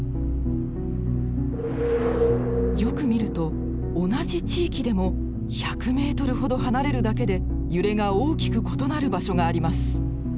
よく見ると同じ地域でも１００ｍほど離れるだけで揺れが大きく異なる場所があります。